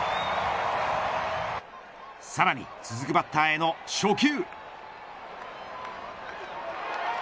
さらに続くバッターへの初球。